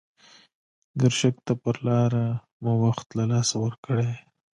ګرشک ته پر لاره مو وخت له لاسه ورکړی.